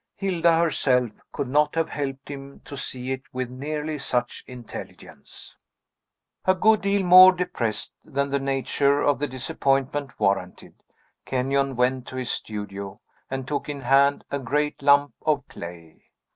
Hilda herself could not have helped him to see it with nearly such intelligence. A good deal more depressed than the nature of the disappointment warranted, Kenyon went to his studio, and took in hand a great lump of clay.